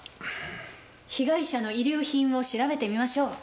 被害者の遺留品を調べてみましょう。